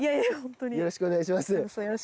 よろしくお願いします。